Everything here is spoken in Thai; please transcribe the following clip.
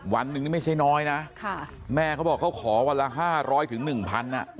วันหนึ่งนี่ไม่ใช่น้อยนะแม่เขาบอกเขาขอวันละ๕๐๐๑๐๐อ่ะ